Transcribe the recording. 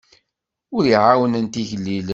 Ur ɛawnent igellilen.